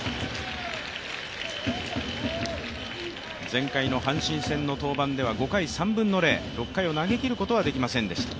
前回の阪神戦の登板では５回、３分の０、６回を投げきることはできませんでした。